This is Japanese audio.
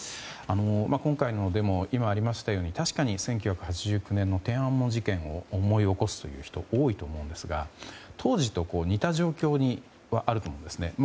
今回のデモ、今ありましたように確かに、１９８９年の天安門事件を思い起こす人も多いと思いますが当時と似た状況にはあると思うんですね。